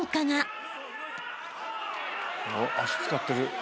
おっ足使ってる。